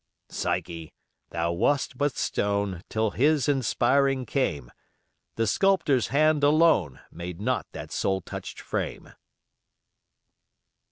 Psyche, thou wast but stone Till his inspiring came: The sculptor's hand alone Made not that soul touched frame.